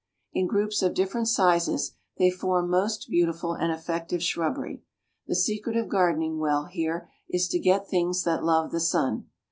In groups of different sizes, they form most beautiful and effective shrubbery. The secret of gardening well here is to get things that love the sun.